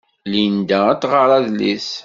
Linda ad tɣer adlis.